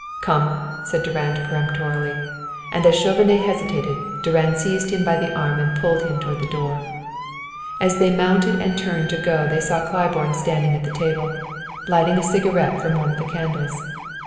"Come!" said Durand peremptorily, and as Chauvenet hesitated, Durand seized him by the arm and pulled him toward the door. As they mounted and turned to go they saw Claiborne standing at the table, lighting a cigarette from one of the candles.